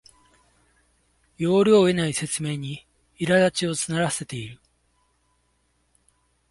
要領を得ない説明にいらだちを募らせている